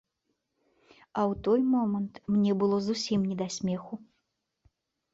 А ў той момант мне было зусім не да смеху.